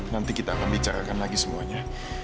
nanti kita akan bicarakan lagi semuanya